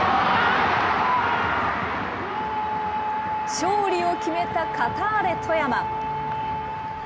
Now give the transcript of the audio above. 勝利を決めたカターレ富山。